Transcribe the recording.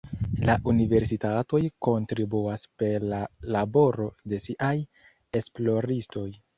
La universitatoj kontribuas per la laboro de siaj esploristoj.